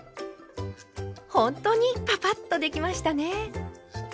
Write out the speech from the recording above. ほんとにパパッとできましたね。